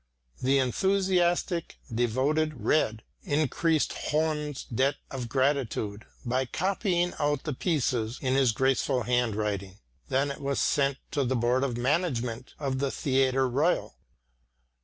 The enthusiastic, devoted Rejd increased Hohn's debt of gratitude by copying out the piece in his graceful hand writing. Then it was sent to the board of management of the Theatre Royal.